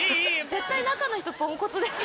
絶対中の人ポンコツですよ。